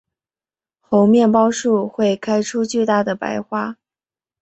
猴面包树会开出巨大的白花。